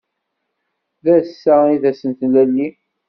D ass-a i d ass n tlelli.